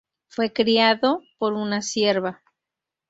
Fue criado por una cierva.